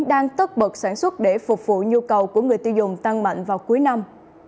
đang tất bật sản xuất để phục vụ nhu cầu của người tiêu dùng tăng mạnh vào cuối năm